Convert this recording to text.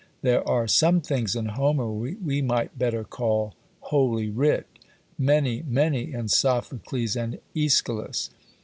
There are some things in Homer we might better call "Holy" Writ many, many in Sophocles and Aeschylus.